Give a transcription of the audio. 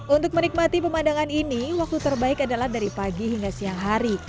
untuk menikmati pemandangan ini waktu terbaik adalah dari pagi hingga siang hari